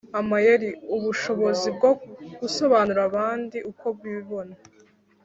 “amayeri: ubushobozi bwo gusobanura abandi uko bibona.”